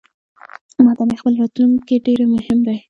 ماته مې خپل راتلونکې ډیرمهم دی